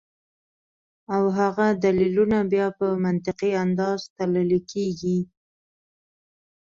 او هغه دليلونه بیا پۀ منطقي انداز تللے کيږي